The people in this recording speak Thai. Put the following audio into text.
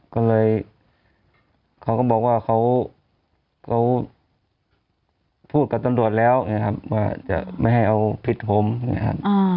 ก็เลยเขาก็บอกว่าเขาพูดกับตำรวจแล้วนะครับว่าจะไม่ให้เอาผิดผมนะครับ